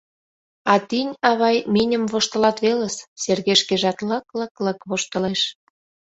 — А тинь, авай, миньым воштылат велыс, — Сергей шкежат лык-лык-лык воштылеш.